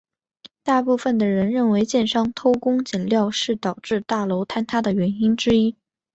大部分的人认为建商偷工减料是导致大楼坍塌原因之一。